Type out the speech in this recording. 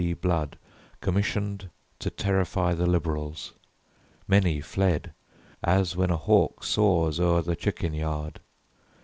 D. Blood, commissioned To terrify the liberals. Many fled As when a hawk soars o'er the chicken yard.